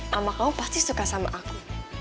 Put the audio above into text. sama kamu pasti suka sama aku